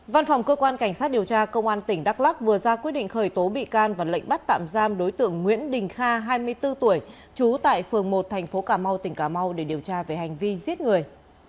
văn phòng cơ quan cảnh sát điều tra công an tỉnh đắk lắc vừa ra quyết định khởi tố bị can và lệnh bắt tạm giam đối tượng nguyễn đình kha hai mươi bốn tuổi trú tại phường một thành phố cà mau tỉnh cà mau để điều tra về hành vi giết người